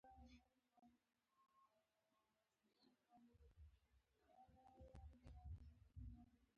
یو سړي یو مار په ژمي کې پیدا کړ.